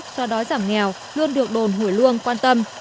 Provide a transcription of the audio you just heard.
so đói giảm nghèo luôn được đồn hủy luông quan tâm